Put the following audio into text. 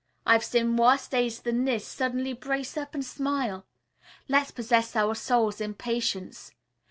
"I've seen worse days than this suddenly brace up and smile. Let's possess our souls in patience.